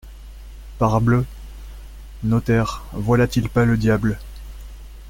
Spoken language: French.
Parbleu !… notaire, voilà-t-il pas le diable !